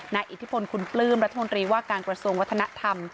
อิทธิพลคุณปลื้มรัฐมนตรีว่าการกระทรวงวัฒนธรรม